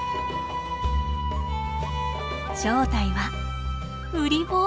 正体はウリボウ。